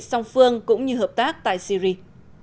song phương cũng như hợp tác tại syria